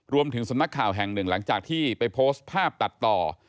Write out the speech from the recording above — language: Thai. สำนักข่าวแห่งหนึ่งหลังจากที่ไปโพสต์ภาพตัดต่อ